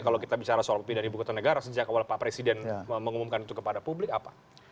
kalau kita bicara soal pindahan ibu kota negara sejak awal pak presiden mengumumkan itu kepada publik apa